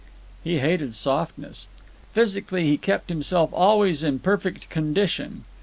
He hated softness. Physically, he kept himself always in perfect condition.